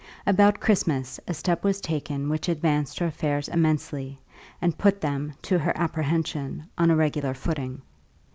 About Christmas a step was taken which advanced her affairs immensely, and put them, to her apprehension, on a regular footing.